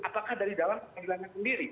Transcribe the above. apakah dari dalam pengadilannya sendiri